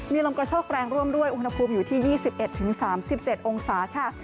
มีลมกระโชคแรงร่วมด้วยอุณหภูมิอยู่ที่๒๑๓๗องศาค่ะ